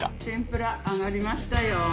天ぷら揚がりましたよ。